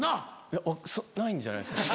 いやないんじゃないですか？